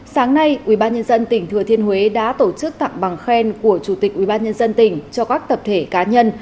sáng nay ubnd tỉnh thừa thiên huế đã tổ chức tặng bằng khen của chủ tịch ubnd tỉnh cho các tập thể cá nhân